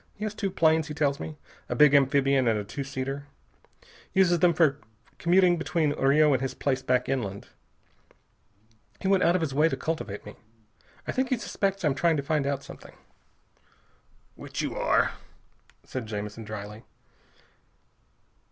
He has two planes, he tells me, a big amphibian and a two seater. Uses them for commuting between Rio and his place back inland. He went out of his way to cultivate me. I think he suspects I'm trying to find out something." "Which you are," said Jamison dryly.